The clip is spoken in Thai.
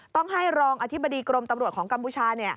ต้องให้รองอธิบดีกรมตำรวจของกัมพูชา